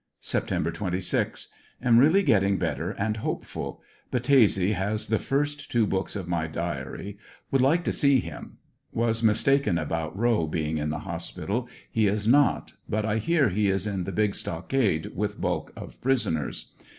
Sept 26 — Am really getting better and hopeful. Battese has the two first books of my diary; would like to see him. Was mistaken about Rowe being in the hospital; he is not, but I hear is in the big stockade with bulk of prisoners.